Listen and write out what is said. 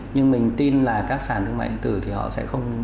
nhưng mình tin là các sàn thương mại điện tử thì họ sẽ không